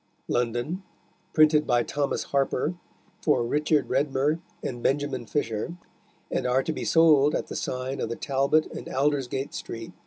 London, Printed by Thomas Harper, for Richard Redmer and Benjamin Fisher, and are to be sold at the signe of the Talbot in Alders gate street.